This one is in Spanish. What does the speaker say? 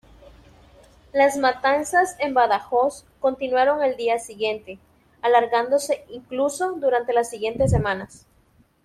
Las matanzas en Badajoz continuaron al día siguiente, alargándose incluso durante las siguientes semanas.